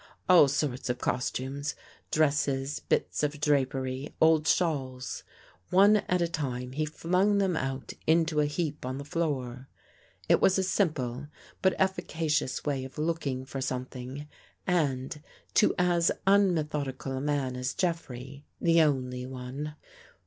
All sorts of costumes, dresses, bits of drapery, old shawls. One at a time he flung them out into a heap on the floor. It was a simple, but efficacious way of looking for something and, to as unmethod ical a man as Jeffrey, the only one.